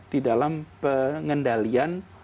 di dalam pengendalian